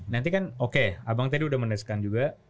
nanti kan oke abang tadi udah meneskan juga